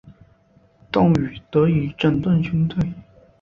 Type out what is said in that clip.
邓禹得以整顿军队。